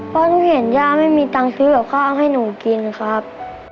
เพราะหนูเห็นย่าไม่มีตังค์ซื้อกับข้าวให้หนูกินครับ